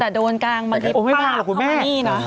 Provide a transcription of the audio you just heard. แต่โดนกลางมาดิบผ้าเข้ามานี่นะ